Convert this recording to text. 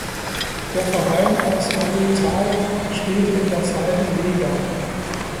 Der Verein aus Ayutthaya spielte in der zweiten Liga.